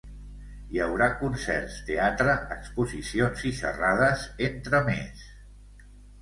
Hi haurà concerts, teatre, exposicions i xerrades, entre més.